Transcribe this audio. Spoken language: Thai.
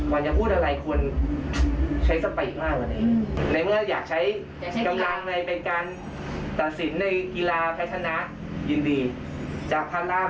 มันจะพูดอะไรคนใช้สปิดมากกว่าเนี่ยในเมื่ออยากใช้กำลังในเป็นการตัดสินในกีฬาพัฒนะยินดีจากพระราม๗